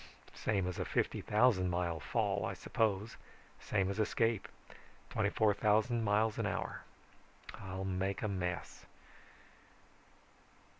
Same as a fifty thousand mile fall, I suppose; same as escape; twenty four thousand miles an hour. I'll make a mess